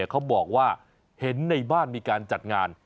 เขาบอกว่าเห็นในบ้านมีการจัดงาน